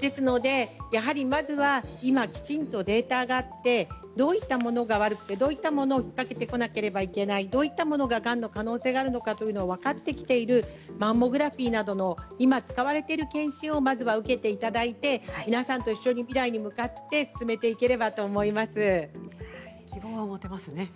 ですのでやはりまずは今きちんとデータがあってどういったものが悪くてどういったものを受けなくてはいけないどんなものががんの可能性があるマンモグラフィーなどの今使われている検診をまず受けていただいて皆さんと一緒に未来に向かって希望は持てますね。